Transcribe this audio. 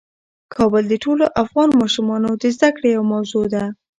کابل د ټولو افغان ماشومانو د زده کړې یوه موضوع ده.